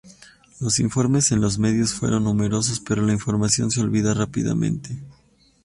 Los informes en los medios fueron numerosos, pero la información se olvidó rápidamente.